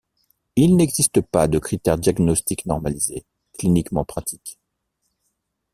Il n'existe pas de critères diagnostiques normalisés, cliniquement pratiques.